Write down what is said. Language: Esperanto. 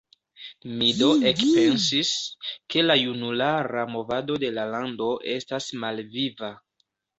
Mi do ekpensis, ke la junulara movado de la lando estas malviva.